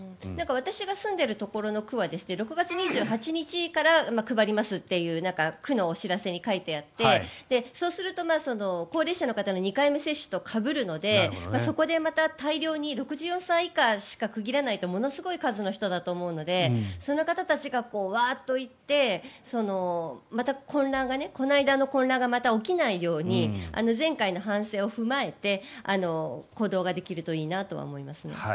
私が住んでいる区は６月２８日から配りますというふうに区のお知らせに書いてあってそうすると高齢者の方の２回目接種とかぶるのでそこでまた、大量に６４歳以下しか区切らないとものすごい数の人だと思うのでその方たちがワーッと行ってまた混乱がこないだの混乱がまた起きないように前回の反省を踏まえて行動ができるといいなとは思いますね。